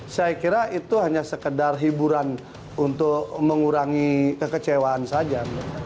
saya kira itu hanya sekedar hiburan untuk mengurangi kekecewaan saja